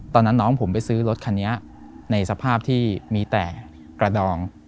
ตอนนั้นน้องผมไปซื้อรถคันนี้ในสภาพที่มีแต่กระดอง